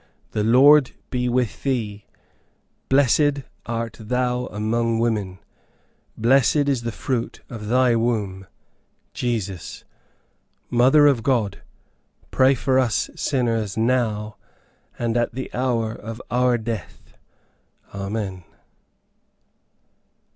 The Lord be with thee! Blessed art thou among women! Blessed is the fruit of thy womb, Jesus! Mother of God! Pray for us sinners, now, and at the hour of our death, Amen."